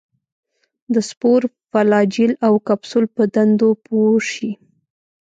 د سپور، فلاجیل او کپسول په دندو پوه شي.